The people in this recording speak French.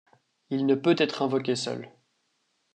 Il ne peut être invoqué seul.